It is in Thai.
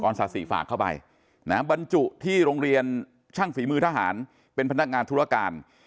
ศาสีฝากเข้าไปบรรจุที่โรงเรียนช่างฝีมือทหารเป็นพนักงานธุรการ